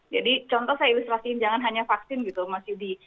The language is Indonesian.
contoh saya ilustrasiin jangan hanya vaksin gitu mas yudi